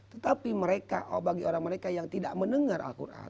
tetapi bagi orang mereka yang tidak mendengar al qur'an